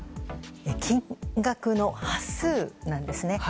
金額の端数なんですね。